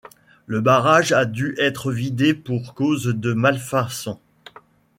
Le barrage a dû être vidé pour cause de malfaçon.